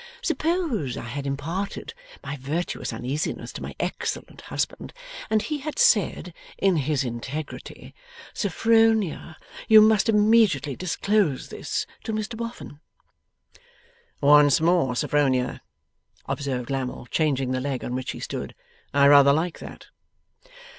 Suppose I had imparted my virtuous uneasiness to my excellent husband, and he had said, in his integrity, "Sophronia, you must immediately disclose this to Mr Boffin."' 'Once more, Sophronia,' observed Lammle, changing the leg on which he stood, 'I rather like that.